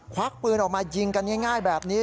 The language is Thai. ควักปืนออกมายิงกันง่ายแบบนี้